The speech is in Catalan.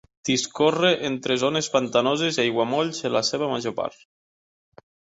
Discorre entre zones pantanoses i aiguamolls en la seva major part.